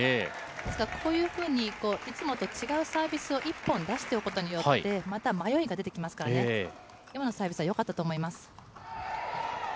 ですからこういうふうに、いつもと違うサービスを１本出しておくことで、また迷いが出てきますからね、今のサービスはよかったと思います。